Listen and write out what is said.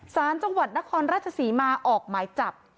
สารจังหวัดนครราชศรีมาออกหมายจับ